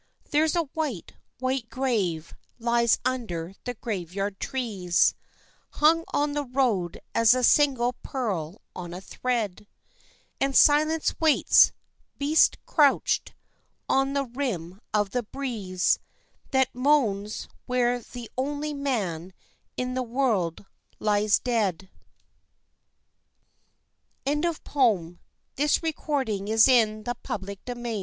There's a white, white grave lies under the graveyard trees, Hung on the road as a single pearl on a thread, And silence waits, beast crouched, on the rim of the breeze, That moans where the only man in the world lies dead. II The Wanderer Have I finished my life, am I done?